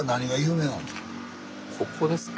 ここですか？